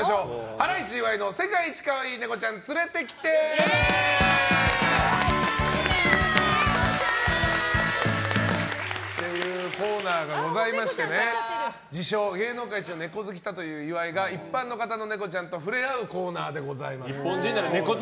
ハライチ岩井の世界一かわいいネコちゃん連れてきて！というコーナーがありまして自称芸能界イチのネコ好きだという岩井が一般の方のネコちゃんと触れ合うコーナーです。